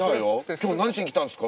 「今日何しに来たんですか？」